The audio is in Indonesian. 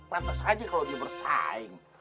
lantas aja kalau dia bersaing